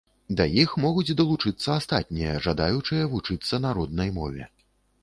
Да іх могуць далучыцца астатнія жадаючыя вучыцца на роднай мове.